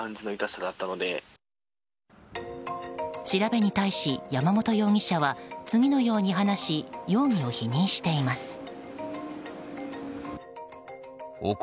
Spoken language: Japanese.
調べに対し、山本容疑者は次のように話し容疑を否認しています。